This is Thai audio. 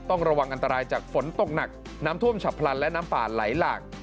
ต้องระวังอันตรายจากฝนตกหนักน้ำท่วมฉับพลันและน้ำป่าไหลหลาก